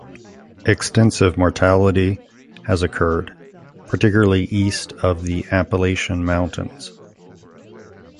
Extensive mortality has occurred, particularly east of the Appalachian Mountains.